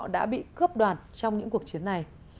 đã bị cướp đoạt trong những cuộc chiến này